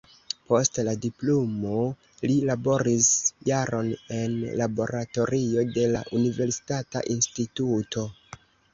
Post la diplomo li laboris jaron en laboratorio de la universitata instituto.